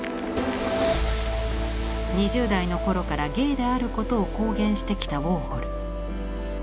２０代の頃からゲイであることを公言してきたウォーホル。